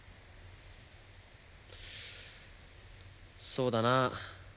そうだな。